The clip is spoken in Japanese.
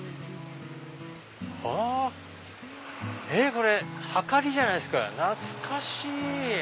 これはかりじゃないですか懐かしい！